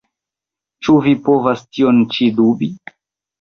Ĉu vi povas tion ĉi dubi?